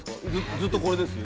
ずっとこれですよ。